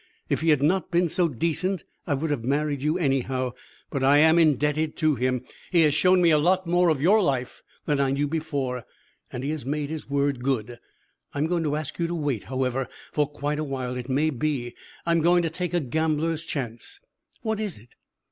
If he had not been so decent I would have married you anyhow, but I am indebted to him. He has shown me a lot more of your life than I knew before, and he has made his word good. I am going to ask you to wait, however; for quite a while, it may be. I am going to take a gambler's chance." "What is it?"